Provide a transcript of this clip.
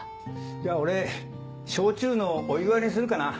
じゃあ俺焼酎のお湯割りにするかな。